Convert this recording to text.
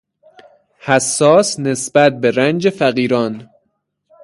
حساس نسبت به رنج فقیران